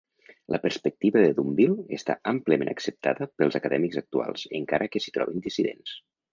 La perspectiva de Dumville està àmpliament acceptada pels acadèmics actuals, encara que s'hi troben dissidents.